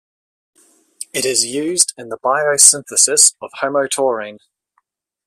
It is used in the biosynthesis of homotaurine.